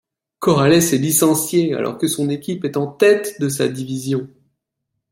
Corrales est licencié alors que son équipe est en tête de sa division.